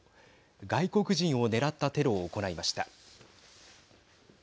外国人を狙ったテロを行いました。